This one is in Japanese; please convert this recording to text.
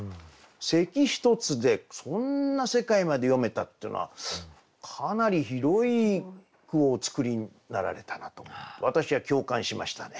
「咳ひとつ」でそんな世界まで詠めたっていうのはかなり広い句をお作りになられたなと私は共感しましたね。